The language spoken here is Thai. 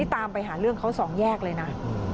ตามไปหาเรื่องเขาสองแยกเลยนะ